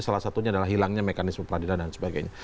salah satunya adalah hilangnya mekanisme peradilan dan sebagainya